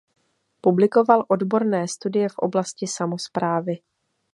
Publikoval odborné studie v oblasti samosprávy.